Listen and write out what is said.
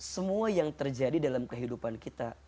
semua yang terjadi dalam kehidupan kita